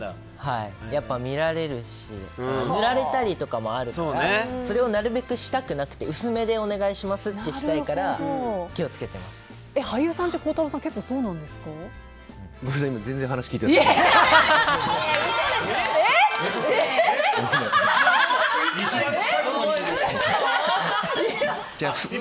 やっぱり見られるし塗られることもあるからそれをなるべくしたくなくて薄めでお願いしますってしたいから俳優さんって、孝太郎さんすみません。